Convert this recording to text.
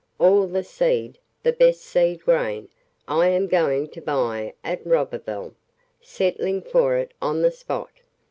All the seed, the best seed grain, I am going to buy at Roberval, settling for it on the spot